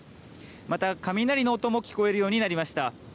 また、雷の音も聞こえるようになりました。